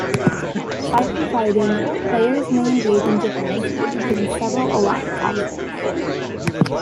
Aside from fighting, players may engage in diplomacy, including several alliance options.